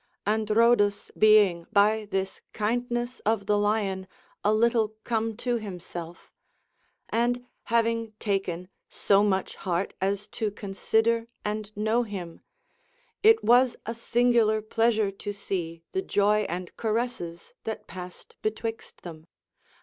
Androdus being by this kindness of the lion a little come to himself, and having taken so much heart as to consider and know him, it was a singular pleasure to see the joy and caresses that passed betwixt them.